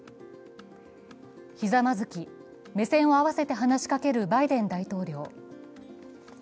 ひざまずき、目線を合わせて話しかけるバイデン大統領。